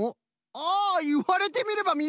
あ！いわれてみればみえるみえる！